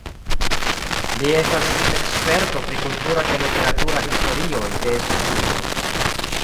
Li estas eksperto pri kultura kaj literatura historioj de Svisujo.